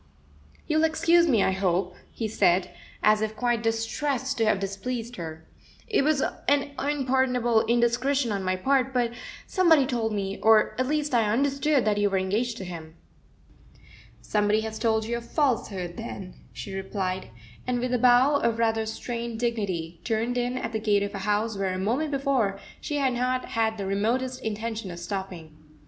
"You'll excuse me, I hope," he said, as if quite distressed to have displeased her. "It was an unpardonable indiscretion on my part, but somebody told me, or at least I understood, that you were engaged to him." "Somebody has told you a falsehood, then," she replied, and, with a bow of rather strained dignity turned in at the gate of a house where a moment before she had not had the remotest intention of stopping.